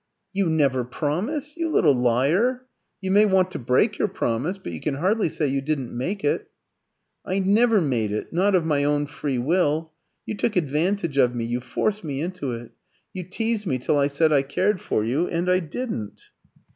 "You never promised! You little liar! You may want to break your promise, but you can hardly say you didn't make it." "I never made it not of my own free will. You took advantage of me; you forced me into it. You teased me till I said I cared for you, and I didn't."